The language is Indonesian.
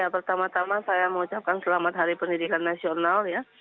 pertama tama saya mengucapkan selamat hari pendidikan nasional ya